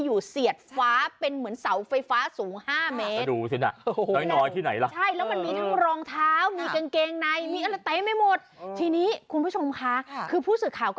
มีกางเกงในมีอะไรไตไม่หมดทีนี้คุณผู้ชมค่ะคือผู้สื่อข่าวก็